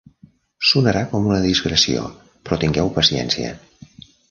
Sonarà com una digressió, però tingueu paciència.